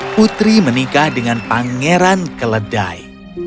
putri menikah dengan pangeran keledai